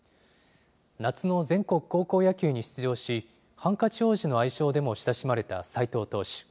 夏の全国高校野球に出場し、ハンカチ王子の愛称でも親しまれた斎藤投手。